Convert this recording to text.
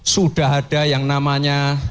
sudah ada yang namanya